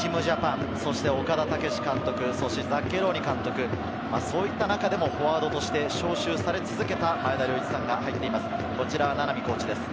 オシムＪＡＰＡＮ、岡田武史監督、ザッケローニ監督、そういった中でもフォワードとして招集され続けた前田遼一さんが入っています。